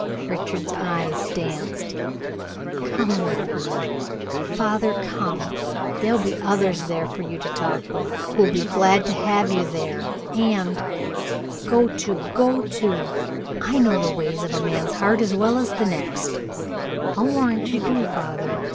Richard's eyes danced. "Come with me, father, come. There'll be others there for you to talk with who'll be glad to have you there, and " "Go to, go to! I know the ways of a man's heart as well as the next." "I'll warrant you do, father!"